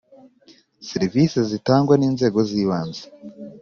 serivisi zitangwa n inzego z ibanze